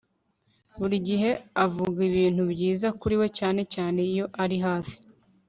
Buri gihe avuga ibintu byiza kuri we cyane cyane iyo ari hafi